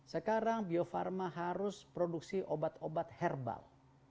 sekarang bio farma harus produksi obat obat herbal